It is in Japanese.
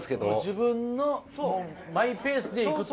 自分のマイペースでいくと。